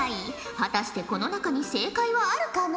果たしてこの中に正解はあるかのう？